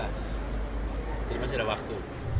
jadi masih ada waktu